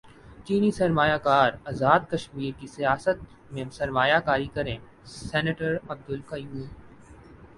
چینی سرمایہ کار ازاد کشمیر کی سیاحت میں سرمایہ کاری کریں سینیٹر عبدالقیوم